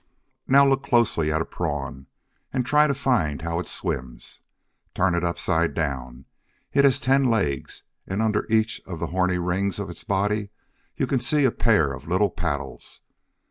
Now look closely at a Prawn, and try to find how it swims. Turn it upside down. It has ten legs; and, under each of the horny rings of its body, you can see a pair of little paddles.